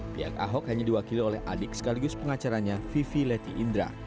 pihak ahok hanya diwakili oleh adik sekaligus pengacaranya vivi leti indra